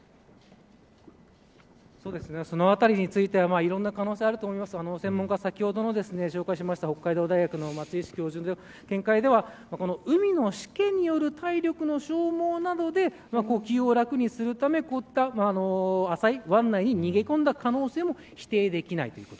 そのあたりについてはいろんな可能性あると思いますが専門家、先ほども紹介しました北海道大学の松石教授の見解では海のしけによる体力の消耗などで呼吸を楽にするためこういった浅い湾内に逃げ込んだ可能性も否定できないということ。